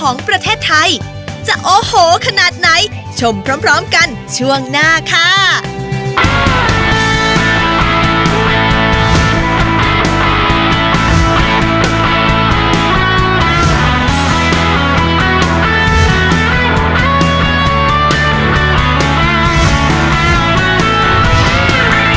โอโหไทยแลนด์